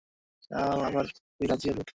তাও আবার ওই রাজিয়ার বিপক্ষে?